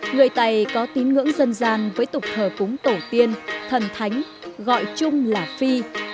người tày có tín ngưỡng dân gian với tục thờ cúng tổ tiên thần thánh gọi chung là phi